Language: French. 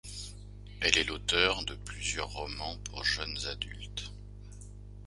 Elle est l'auteur de plusieurs romans pour jeunes adultes.